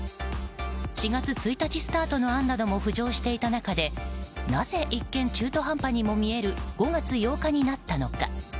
４月１日スタートの案なども浮上していた中でなぜ、一見中途半端にも見える５月８日になったのか。